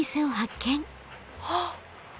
あっ！